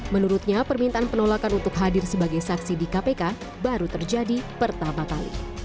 menurutnya permintaan penolakan untuk hadir sebagai saksi di kpk baru terjadi pertama kali